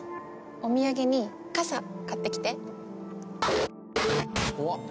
お土産に傘買ってきて。